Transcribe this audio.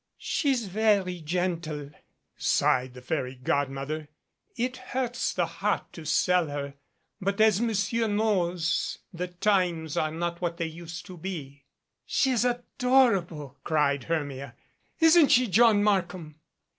"She's very gentle," sighed the fairy godmother. "It hurts the heart to sell her. But as Monsieur knows the times are not what they used to be." THE FAIRY GODMOTHER "She is adorable," cried Hermia. "Isn't she, John Markham?"